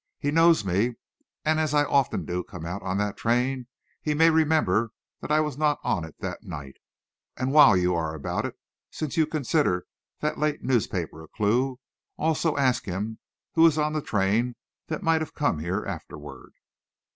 He knows me, and as I often do come out on that train, he may remember that I was not on it that night. And while you're about it, and since you consider that late newspaper a clue, also ask him who was on the train that might have come here afterward."